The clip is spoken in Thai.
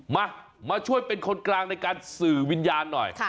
มามาช่วยเป็นคนกลางในการสื่อวิญญาณหน่อย